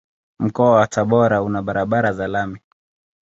Mkoa wa Tabora una barabara za lami.